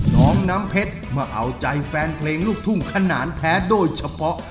น้องน้ำเพชรมาเอาใจแฟนเพลงลูกทุ่งขนาดแท้โดยเฉพาะ